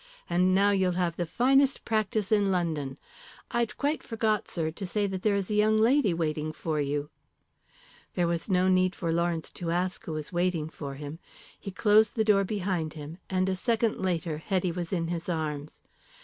And now you'll have the finest practice in London. I'd quite forgot, sir, to say that there is a young lady waiting for you." There was no need for Lawrence to ask who was waiting for him. He closed the door behind him, and a second later Hetty was in his arms.